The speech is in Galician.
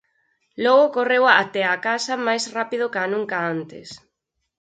Logo correu até a casa máis rápido ca nunca antes.